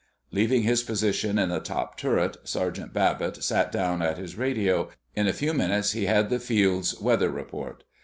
Leaving his position in the top turret, Sergeant Babbitt sat down at his radio. In a few minutes he had the field's weather report.